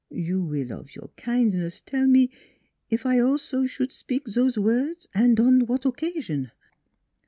You will of your kin'ness tell me if I also s'ould spik zose words, and on what occasion?"